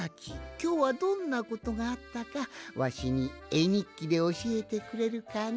きょうはどんなことがあったかわしにえにっきでおしえてくれるかの？